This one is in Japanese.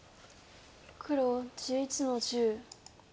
黒１１の十。